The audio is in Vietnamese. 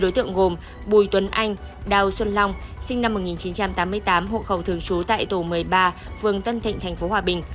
bốn đối tượng gồm bùi tuấn anh đào xuân long sinh năm một nghìn chín trăm tám mươi tám hộ khẩu thường trú tại tổ một mươi ba phường tân thịnh tp hòa bình